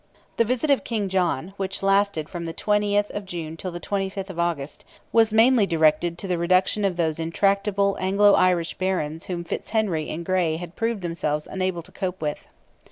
The visit of King John, which lasted from the 20th of June till the 25th of August, was mainly directed to the reduction of those intractable Anglo Irish Barons whom Fitz Henry and Gray had proved themselves unable to cope with.